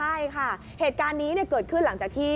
ใช่ค่ะเหตุการณ์นี้เกิดขึ้นหลังจากที่